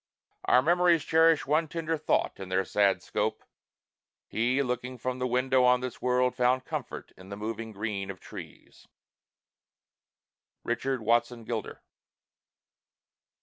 Our memories Cherish one tender thought in their sad scope: He, looking from the window on this world, Found comfort in the moving green of trees. RICHARD WATSON GILDER.